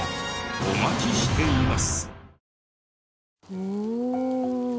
お待ちしています。